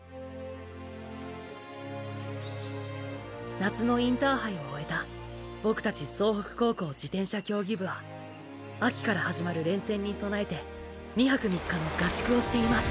夏のインターハイを終えたボクたち総北高校自転車競技部は秋から始まる連戦に備えて２泊３日の合宿をしています